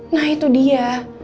nah itu dia